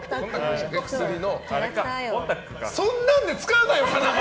そんなので使うなよ！